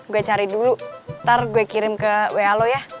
gue cari dulu ntar gue kirim ke wa ya